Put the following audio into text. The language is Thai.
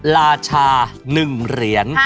ราชาหนึ่งเหรียญ